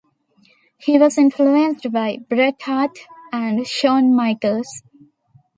He was influenced by Bret Hart and Shawn Michaels.